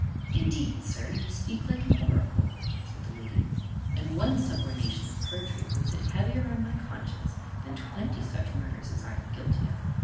"Indeed, sir, you speak like an oracle," answered the lady; "and one subornation of perjury would sit heavier on my conscience than twenty such murders as I am guilty of."